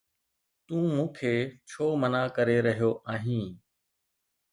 تون مون کي ڇو منع ڪري رهيو آهين؟